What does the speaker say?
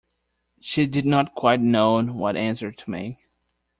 She did not quite know what answer to make..